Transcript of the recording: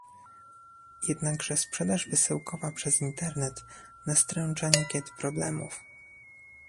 Jednakże sprzedaż wysyłkowa przez Internet nastręcza niekiedy problemów